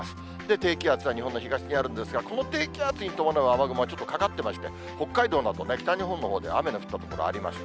低気圧は日本の東にあるんですが、この低気圧に伴う雨雲がちょっとかかってまして、北海道など、北日本のほうでは雨の降った所がありました。